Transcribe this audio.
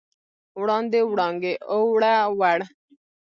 وړاندې، وړانګې، اووړه، وړ